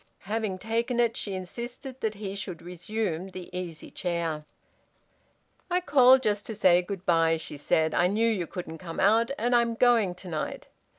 Having taken it, she insisted that he should resume the easy chair. "I called just to say good bye," she said. "I knew you couldn't come out, and I'm going to night."